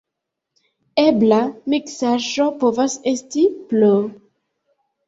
Ebla miksaĵo povas esti pl.